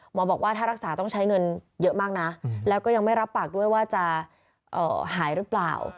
บอกว่าถ้ารักษาต้องใช้เงินเยอะมากนะแล้วก็ยังไม่รับปากด้วยว่าจะหายหรือเปล่า